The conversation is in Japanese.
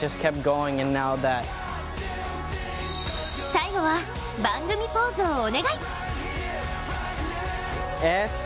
最後は番組ポーズをお願い。